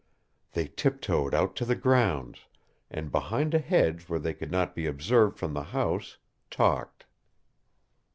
They tiptoed out to the grounds, and, behind a hedge where they could not be observed from the house, talked.